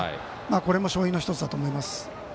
これも勝因の１つだと思います。